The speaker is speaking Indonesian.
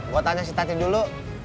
gua tanya tadi dulu